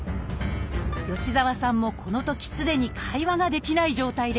吉澤さんもこのときすでに会話ができない状態でした。